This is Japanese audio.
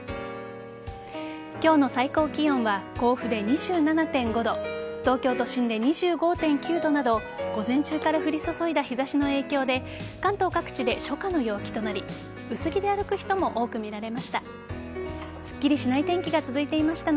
今日は最高気温は甲府で２７．５度東京都心で２５．９度など午前中から降り注いだ日差しの影響で関東各地で初夏の陽気となり薄着で歩く人も多くなりました。